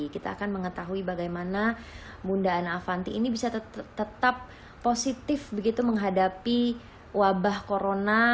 kita akan mengetahui bagaimana bunda ana avanti ini bisa tetap positif begitu menghadapi wabah corona